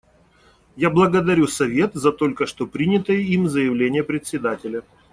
Я благодарю Совет за только что принятое им заявление Председателя.